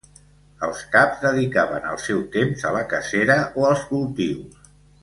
Els caps dedicaven el seu temps a la cacera o als cultius.